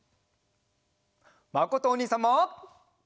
まことおにいさんも！